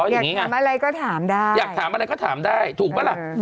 อย่างนี้ไงอยากถามอะไรก็ถามได้ถูกไหมล่ะ